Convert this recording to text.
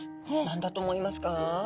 何だと思いますか？